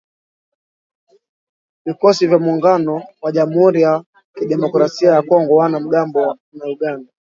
Vikosi vya Muungano wa jamuhuri ya Kidemokrasia ya Kongo wana mgambo na Uganda